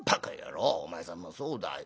お前さんもそうだよ。